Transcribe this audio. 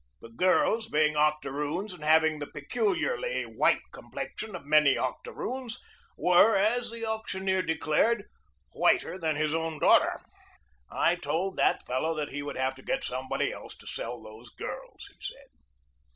The girls, being octoroons and having the peculiarly white complexion of many oc toroons, were, as the auctioneer declared, whiter than his own daughter. "I told that fellow that he would have to get somebody else to sell those girls," he said.